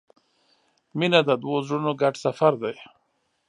• مینه د دوو زړونو ګډ سفر دی.